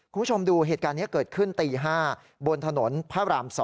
คุณผู้ชมดูเหตุการณ์นี้เกิดขึ้นตี๕บนถนนพระราม๒